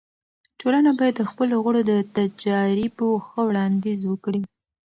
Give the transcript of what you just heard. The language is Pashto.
ټولنه باید د خپلو غړو د تجاريبو ښه وړاندیز وکړي.